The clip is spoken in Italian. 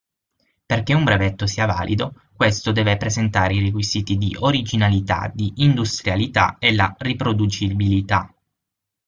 Perché un brevetto sia valido questo deve presentare i requisiti di originalità, di industrialità e la riproducibilità.